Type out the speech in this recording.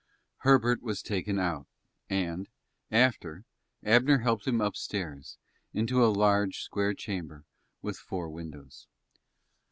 Herbert was taken out, and, after Abner helped him upstairs, into a large, square chamber, with four windows.